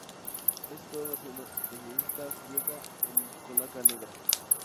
Casi toda su superficie está cubierta con laca negra.